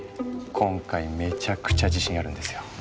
今回めちゃくちゃ自信あるんですよ。